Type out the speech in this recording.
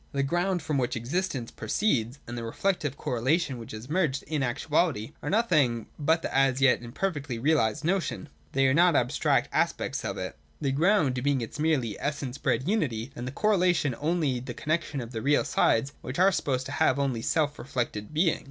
The ground from which existence pro ceeds, and the reflective correlation which is merged in actuality, are nothing but the as yet imperfectly realised notion. They are only abstract aspects of it, — the ground being its merely essence bred unity, and the correlation only the connexion of real sides which are supposed to have only self reflected being.